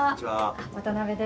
渡辺です。